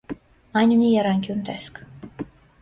Այն ունի եռանկյուն տեսք։